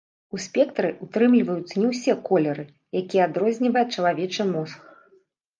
У спектры ўтрымліваюцца не ўсе колеры, якія адрознівае чалавечы мозг.